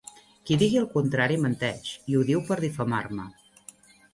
Qui diga el contrari menteix i ho diu per difamar-me.